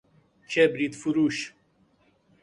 کبریت فروش